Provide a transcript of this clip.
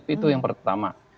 itu yang pertama